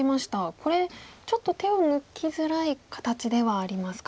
これちょっと手を抜きづらい形ではありますか。